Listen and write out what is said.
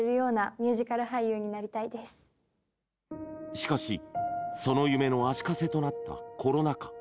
しかしその夢の足かせとなったコロナ禍。